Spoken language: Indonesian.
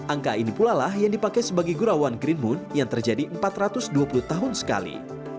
angka ini pula lah yang dipakai sebagai gurawan green moon yang terjadi empat ratus dua puluh tahun sekali